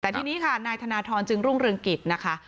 แต่ทีนี้ค่ะนายธนทรจึงรุ่งเรืองกิจนะคะ